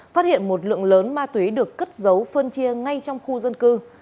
phát hiện một lượng lớn ma túy được cất giấu phân chia ngay trong khu dân cư